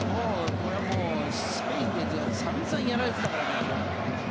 これはもうスペインで散々やられていたからね